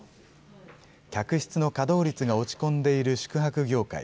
客室の稼働率が落ち込んでいる宿泊業界。